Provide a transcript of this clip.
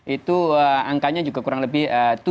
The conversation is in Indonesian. itu angkanya juga kurang lebih